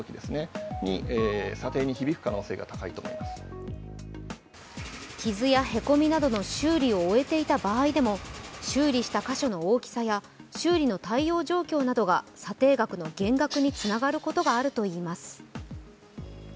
更に傷やへこみなどの修理を終えていた場合でも修理した箇所の大きさや、修理の対応状況などが査定額の減額につながることがあるといいます。